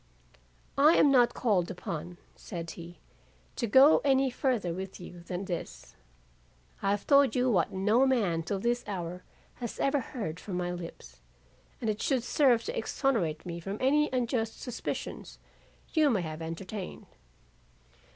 "I am not called upon," said he, "to go any further with you than this. I have told you what no man till this hour has ever heard from my lips, and it should serve to exonerate me from any unjust suspicions you may have entertained.